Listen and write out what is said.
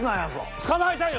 捕まえたいよ